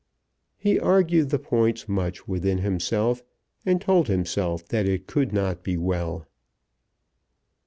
He argued the points much within himself, and told himself that it could not be well.